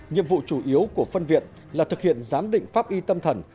nhiệm vụ chủ yếu của phân viện là thực hiện giám định pháp y tâm thần